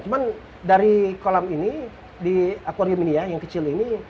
cuman dari kolam ini di aquarium ini ya yang kecil ini